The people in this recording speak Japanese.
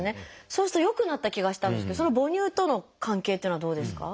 そうすると良くなった気がしたんですけど母乳との関係っていうのはどうですか？